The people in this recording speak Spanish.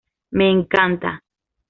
Me encanta.